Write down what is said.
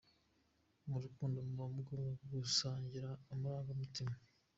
Mu rukundo muba mugomba gusangira amarangamutima.